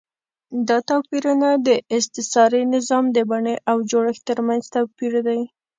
دا توپیرونه د استثاري نظام د بڼې او جوړښت ترمنځ توپیر دی.